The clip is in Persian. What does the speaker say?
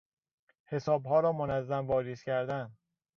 حسابها را منظم واریز کردن